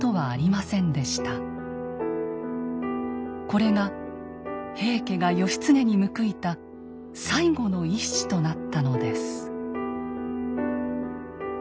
これが平家が義経に報いた最後の一矢となったのです。